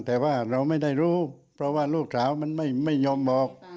แต่ว่าเราไม่ได้รู้เพราะว่าลูกสาวมันไม่ยอมบอก